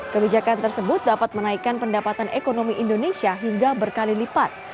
kebijakan tersebut dapat menaikkan pendapatan ekonomi indonesia hingga berkali lipat